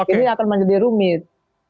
ini akan menjadi rumit